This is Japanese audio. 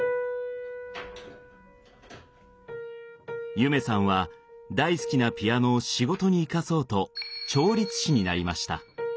夢さんは大好きなピアノを仕事に生かそうと調律師になりました。